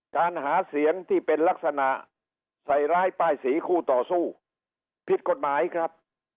การหาเสียงที่เป็นลักษณะใส่ร้ายป้ายสีคู่ต่อสู้ผิดกฎหมายครับ